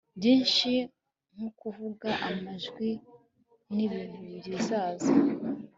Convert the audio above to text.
byinshi nkukuvuga amajwi yibintu bizaza